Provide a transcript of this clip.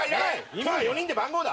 今は４人で番号だ。